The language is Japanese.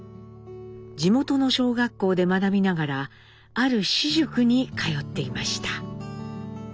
地元の小学校で学びながらある私塾に通っていました。